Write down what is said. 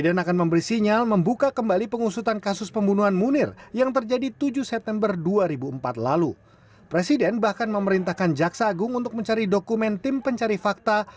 dan sekretaris negara